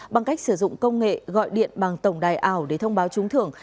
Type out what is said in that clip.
bằng cách sử dụng công nghệ gọi điện bằng tổng đài ảo để thông báo trúng thưởng